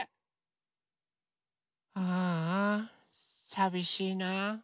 ああさびしいな。